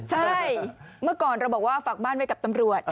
ใช่เมื่อก่อนเราบอกว่าฝากบ้านไว้กับตำรวจ